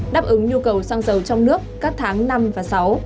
đáp ứng nhu cầu xăng dầu trong nước các tháng năm và sáu